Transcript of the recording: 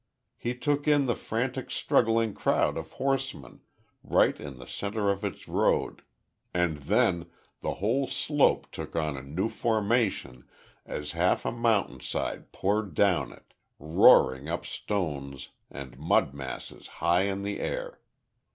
He took in the frantic struggling crowd of horsemen right in the centre of its road, and then, the whole slope took on a new formation as half a mountain side poured down it, roaring up stones and mud masses high in the air.